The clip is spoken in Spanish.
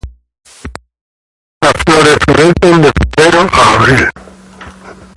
Las flores florecen de febrero a abril.